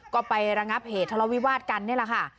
ก็ไประงับเหตุทะเลาวิวาสกันนี่แหละค่ะ